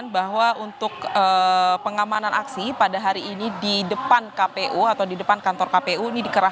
bagaimana aksi di depan kpu